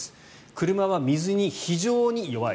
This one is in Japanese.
車は水に非常に弱い。